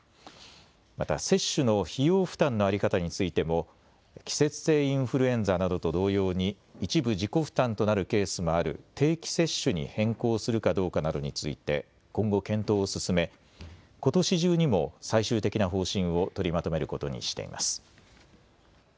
また接種の費用負担の在り方についても季節性インフルエンザなどと同様に一部自己負担となるケースもある定期接種に変更するかどうかなどについて今後、検討を進めことし中にも最終的な方針を取りまとめることにしています。